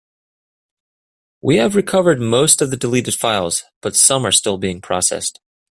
We have recovered most of the deleted files, but some are still being processed.